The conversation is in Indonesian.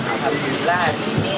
alhamdulillah hari ini